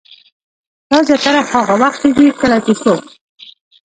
دا زياتره هاغه وخت کيږي کله چې څوک